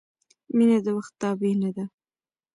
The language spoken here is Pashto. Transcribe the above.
• مینه د وخت تابع نه ده.